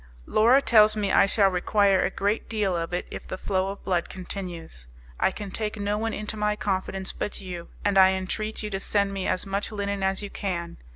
Laura tells me I shall require a great deal of it if the flow of blood continues. I can take no one into my confidence but you, and I entreat you to send me as much linen as you can.